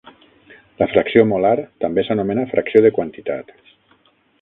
La fracció molar també s'anomena fracció de quantitat.